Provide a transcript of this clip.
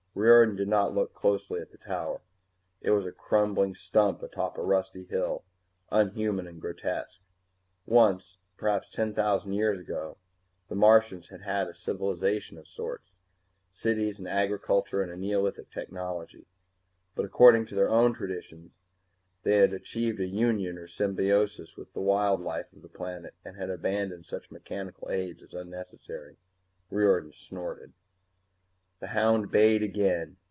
Riordan did not look closely at the tower. It was a crumbling stump atop a rusty hill, unhuman and grotesque. Once, perhaps ten thousand years ago, the Martians had had a civilization of sorts, cities and agriculture and a neolithic technology. But according to their own traditions they had achieved a union or symbiosis with the wild life of the planet and had abandoned such mechanical aids as unnecessary. Riordan snorted. The hound bayed again.